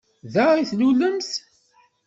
Da i tlulemt?